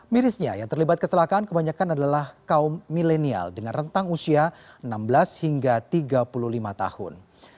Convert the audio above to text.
mirisnya yang terlibat kecelakaan kebanyakan adalah kaum milenial dengan rentang usia enam belas hingga tiga puluh lima tahun